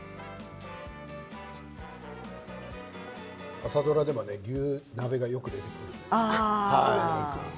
朝ドラでは牛鍋がよく出てくるんです。